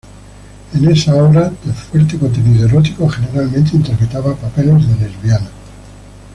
En esas obras, de fuerte contenido erótico, generalmente interpretaba papeles de lesbiana.